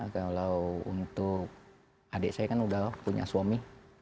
kalau untuk adik saya kan udah punya suami